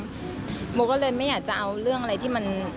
โมก็เลยไม่อยากจะเอาเรื่องอะไรที่มัน